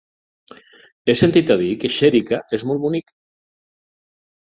He sentit a dir que Xèrica és molt bonic.